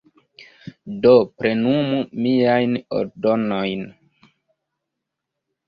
Do, plenumu miajn ordonojn.